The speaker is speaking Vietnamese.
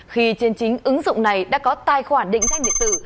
khi trên chính ứng dụng này đã có tài khoản định danh điện tử